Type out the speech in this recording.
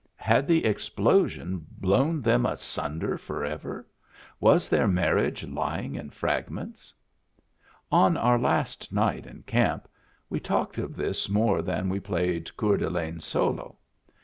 Had the explosion blown them asunder forever ? Was their marriage lying in fragments? On our last night in camp we talked of this more than we played Coeur d'Alene Solo.